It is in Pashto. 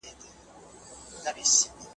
سوله د فکري ازادۍ زمینه برابروي.